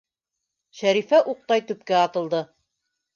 Шәрифә уҡтай төпкә атылды.